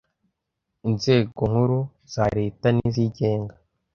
Inzego Nkuru za Leta nizigenga